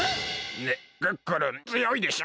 ねっクックルンつよいでしょ？